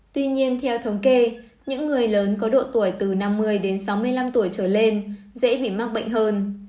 tuy nhiên theo thống kê những người lớn có độ tuổi từ năm mươi đến sáu mươi năm tuổi trở lên dễ bị mắc bệnh hơn